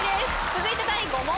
続いて第６問。